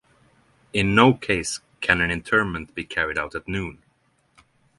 In no case can an interment be carried out at noon.